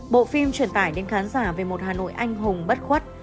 bộ phim truyền tải đến khán giả về một hà nội anh hùng bất khuất